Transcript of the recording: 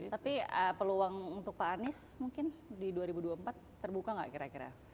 tapi peluang untuk pak anies mungkin di dua ribu dua puluh empat terbuka nggak kira kira